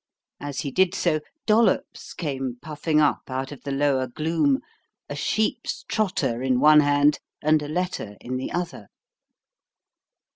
As he did so, Dollops came puffing up out of the lower gloom, a sheep's trotter in one hand, and a letter in the other.